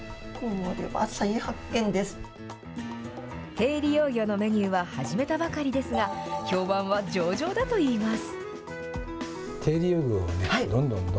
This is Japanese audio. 低利用魚のメニューは始めたばかりですが、評判は上々だといいます。